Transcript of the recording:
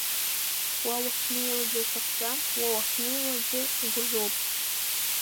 Уа уахьнеиуагь урҭахӡам, уа уахьнеиуагьы угәырҩоуп.